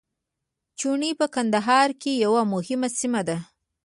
چوڼۍ په کندهار کي یوه مهمه سیمه ده.